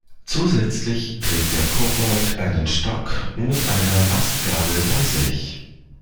Zusätzlich trägt der Kobold einen Stock mit einer Astgabel bei sich.